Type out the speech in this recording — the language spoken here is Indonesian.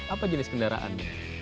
apa jenis kendaraan